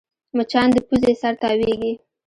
مچان د پوزې سره تاوېږي